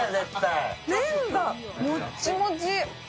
麺がもっちもち。